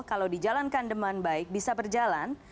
kalau dijalankan dengan baik bisa berjalan